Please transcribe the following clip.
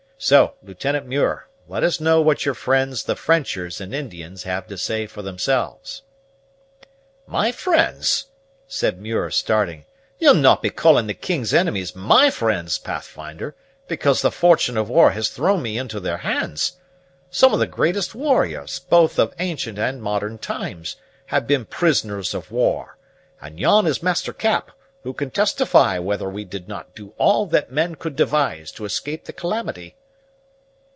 So, Lieutenant Muir, let us know what your friends the Frenchers and Indians have to say for themselves." "My friends!" said Muir, starting; "you'll no' be calling the king's enemies my friends, Pathfinder, because the fortune of war has thrown me into their hands? Some of the greatest warriors, both of ancient and modern times, have been prisoners of war; and yon is Master Cap, who can testify whether we did not do all that men could devise to escape the calamity."